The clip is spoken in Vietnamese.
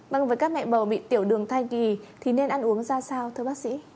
vâng với các mẹ bầu bị tiểu đường thai kỳ thì nên ăn uống ra sao thưa bác sĩ